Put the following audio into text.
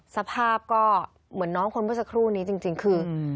สภาพก็เหมือนน้องคนเมื่อสักครู่นี้จริงคือ